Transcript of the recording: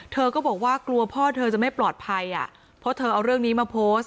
เธอก็บอกว่ากลัวพ่อเธอจะไม่ปลอดภัยอ่ะเพราะเธอเอาเรื่องนี้มาโพสต์